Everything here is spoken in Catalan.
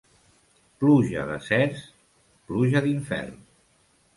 Pluja de cerç, pluja d'infern.